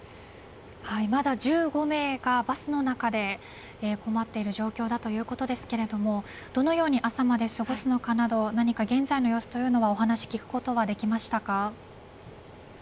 まだ１５名がバスの中で困っている状況だということですがどのように朝まで過ごすのかなど現在の様子はお話聞くことはできましたか。